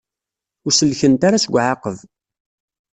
Ur sellkent ara seg uɛaqeb.